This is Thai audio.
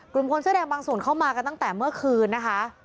คนเสื้อแดงบางส่วนเข้ามากันตั้งแต่เมื่อคืนนะคะ